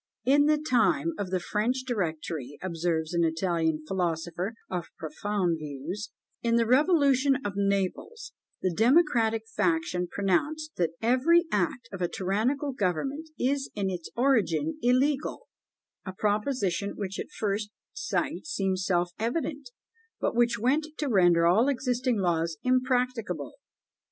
"In the time of the French Directory," observes an Italian philosopher of profound views, "in the revolution of Naples, the democratic faction pronounced that 'Every act of a tyrannical government is in its origin illegal;' a proposition which at first sight seems self evident, but which went to render all existing laws impracticable."